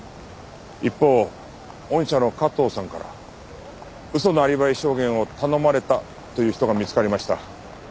一方御社の加藤さんから嘘のアリバイ証言を頼まれたという人が見つかりました。